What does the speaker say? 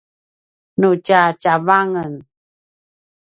nu tja tjavangen